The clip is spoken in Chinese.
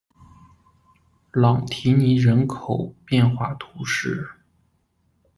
朗提尼人口变化图示